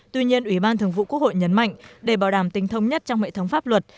tuy nhiên ủy ban thường vụ quốc hội nhấn mạnh để bảo đảm tính thông nhất trong hệ thống pháp luật